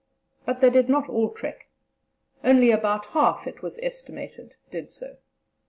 But they did not all trek; only about half, it was estimated, did so.